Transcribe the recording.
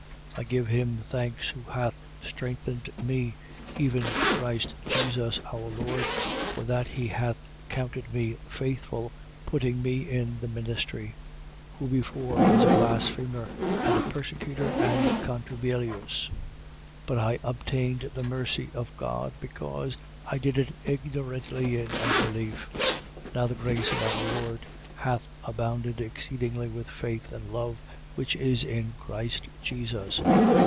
1:12. I give him thanks who hath strengthened me, even to Christ Jesus our Lord, for that he hath counted me faithful, putting me in the ministry: 1:13. Who before was a blasphemer and a persecutor and contumelious. But I obtained the mercy of God, because I did it ignorantly in unbelief. 1:14. Now the grace of our Lord hath abounded exceedingly with faith and love, which is in Christ Jesus.